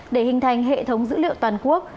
để hình thành hệ thống dữ liệu toàn quốc